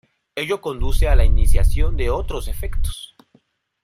Ello conduce a la iniciación de otros efectos.